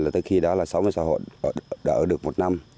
từ khi đó là sáu mươi sáu hộ đỡ được một năm